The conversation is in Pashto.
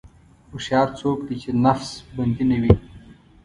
هوښیار څوک دی چې د نفس بندي نه وي.